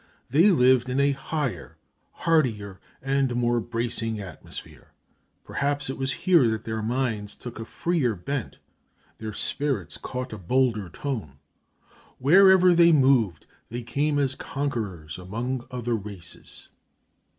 They lived in a higher, hardier, and more bracing atmosphere. Perhaps it was here that their minds took a freer bent, their spirits caught a bolder tone. Wherever they moved they came as conquerors among other races.